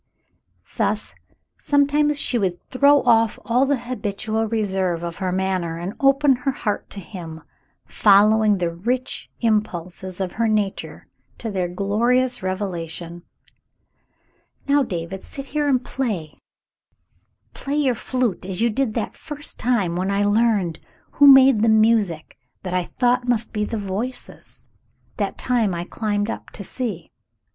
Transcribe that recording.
Thus, sometimes she would throw off all the habitual reserve of her manner and open her heart to him, following the rich impulses of her nature to their glorious revelation. "Now, David, sit here and play ; play your flute as you did that first time when I learned who made the music that I thought must be the 'Voices,' that time I climbed up to see."